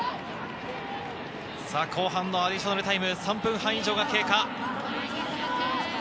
後半のアディショナルタイム、３分半以上が経過。